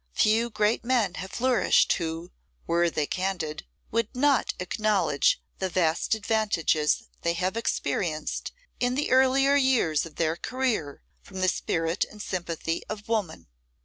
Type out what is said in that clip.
Few great men have flourished who, were they candid, would not acknowledge the vast advantages they have experienced in the earlier years of their career from the spirit and sympathy of woman.